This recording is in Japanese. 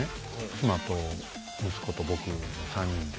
妻と息子と僕３人で。